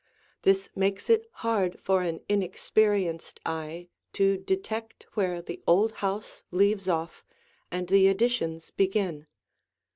This makes it hard for an inexperienced eye to detect where the old house leaves off and the additions begin.